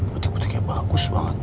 butik butiknya bagus banget